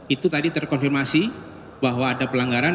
itu tadi terkonfirmasi bahwa ada pelanggaran